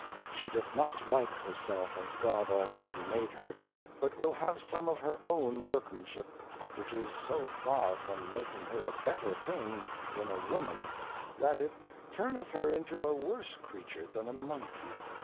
She doth not like her self as God Almighty made her, but will have some of her own Workmanship ; which is so far from making her a better thing than a Woman, that it turneth her into a worse Creature than a Monkey.